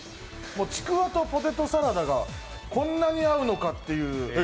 ちくわとポテトサラダがこんなに合うのかという。